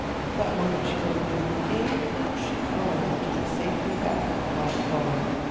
That moment she would have given anything she owned to be safely back on the quiet farm.